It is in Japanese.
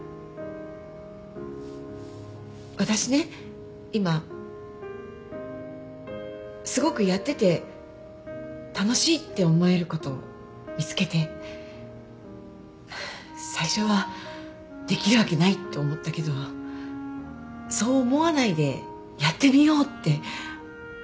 私ね今すごくやってて楽しいって思えること見つけて最初はできるわけないって思ったけどそう思わないでやってみようって思えるようになったの。